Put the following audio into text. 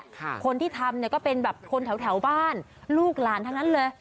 คนที่ทำเนี่ยก็เป็นแบบคนแถวแถวบ้านลูกหลานทั้งนั้นเลย